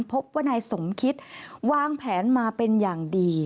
พบว่านายสมคิตวางแผนมาเป็นอย่างดี